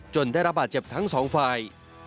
ได้รับบาดเจ็บทั้งสองฝ่าย